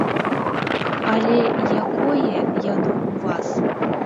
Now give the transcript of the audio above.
Але якое яно ў вас?